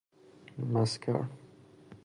مسکر